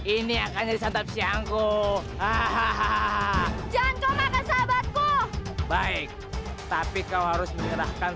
ini akan disantap siangku hahaha jangan kemana mana sahabatku baik tapi kau harus menyerahkan